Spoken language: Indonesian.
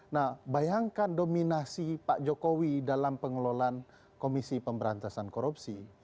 nah bayangkan dominasi pak jokowi dalam pengelolaan komisi pemberantasan korupsi